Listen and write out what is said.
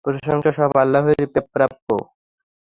প্রশংসা সব আল্লাহরই প্রাপ্য।